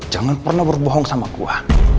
jangan pernah berbohong sama kuah